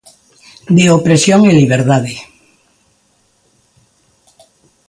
De opresión e liberdade.